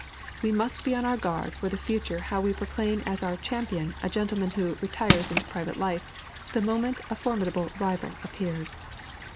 We must be on our guard for the future how we proclaim as our "champion" a gentleman who "retires into private life" the moment a formidable rival appears.